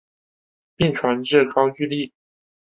并传至高句丽。